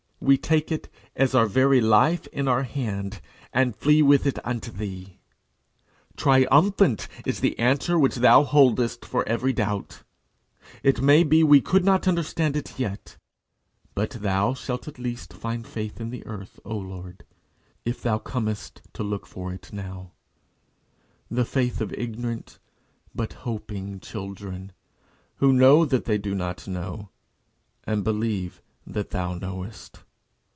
We take it, as our very life, in our hand, and flee with it unto thee. Triumphant is the answer which thou boldest for every doubt. It may be we could not understand it yet, even if thou didst speak it "with most miraculous organ." But thou shalt at least find faith in the earth, O Lord, if thou comest to look for it now the faith of ignorant but hoping children, who know that they do not know, and believe that thou knowest.